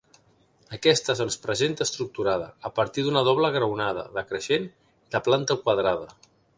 Aquesta se'ns presenta estructurada a partir d'una doble graonada decreixent i de planta quadrada.